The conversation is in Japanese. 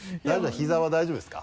膝は大丈夫ですか？